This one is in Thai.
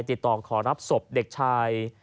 ติดต่อขอรับศพเด็กชาย